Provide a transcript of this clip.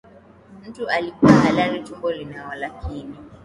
Mtu akiwa halali, tumbo lina walakini,